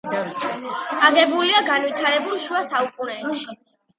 აგებულია განვითარებულ შუა საუკუნეებში.